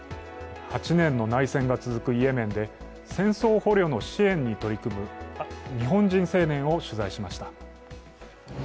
８年の内戦が続くイエメンで、戦争捕虜の支援に取り組む日本人青年を取材しました。